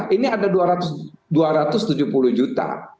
ini ada dua ratus tujuh puluh juta